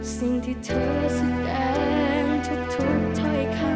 สิ่งที่เธอแสดงทุกถ้อยคำ